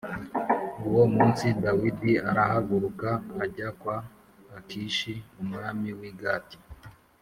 Uwo munsi Dawidi arahaguruka ajya kwa Akishi umwami w’i Gati